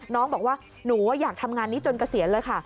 น้องบอกว่าหนูอยากทำงานนี้จนเกษียณเลยค่ะ